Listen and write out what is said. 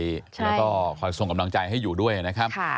แล้วก็คอยส่งกำลังใจให้อยู่ด้วยนะครับ